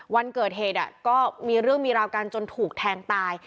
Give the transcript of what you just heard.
วันเกิดเหตุก็มีเรื่องมีราวกันจนถูกแทงตาย